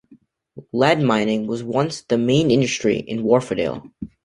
Lead mining was once the main industry in Wharfedale.